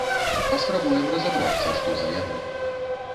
Паспрабуем разабрацца, што за яны.